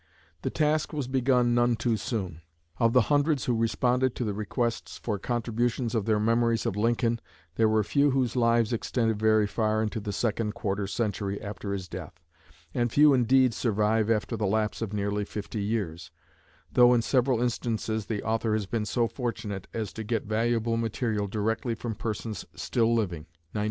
The task was begun none too soon. Of the hundreds who responded to the requests for contributions of their memories of Lincoln there were few whose lives extended very far into the second quarter century after his death, and few indeed survive after the lapse of nearly fifty years, though in several instances the author has been so fortunate as to get valuable material directly from persons still living (1913).